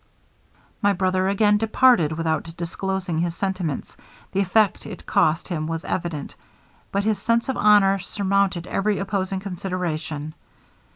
'My brother again departed without disclosing his sentiments; the effort it cost him was evident, but his sense of honor surmounted every opposing consideration.